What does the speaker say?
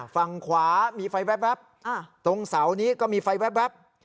ฝั่งขวามีไฟแว๊บตรงเสานี้ก็มีไฟแว๊บ